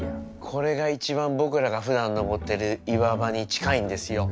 これが一番僕らがふだん登ってる岩場に近いんですよ。